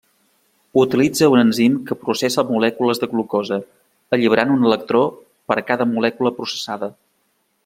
Utilitza un enzim que processa molècules de glucosa, alliberant un electró per cada molècula processada.